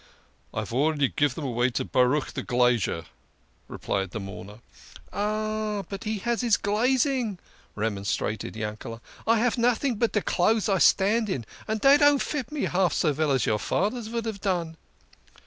'" "I've already given them away to Baruch the glazier," replied the mourner. " But he has his glaziering," remonstrated Yankele. " I have noting but de clothes I stand in, and dey don't fit me half so veil as your fader's vould have done."